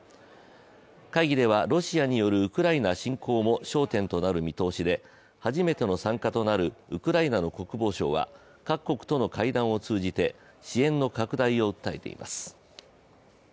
会議ではロシアによるウクライナ侵攻も焦点となる見通しで初めての参加となるウクライナの国防相は各国との会談を通じて支援の拡大を訴えています。